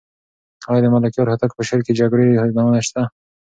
آیا د ملکیار هوتک په شعر کې د جګړې یادونه شته؟